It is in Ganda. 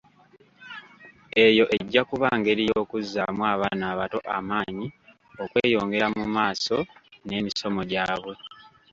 Eyo ejja kuba ngeri y'okuzaamu abaana abato amaanyi okweyongera mu maaso n'emisomo gyabwe.